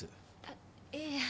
あっいえ。